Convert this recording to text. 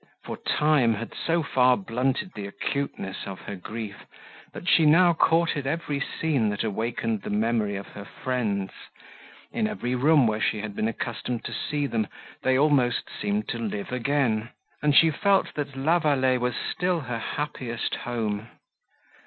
For time had so far blunted the acuteness of her grief, that she now courted every scene, that awakened the memory of her friends; in every room, where she had been accustomed to see them, they almost seemed to live again; and she felt that La Vallée was still her happiest home.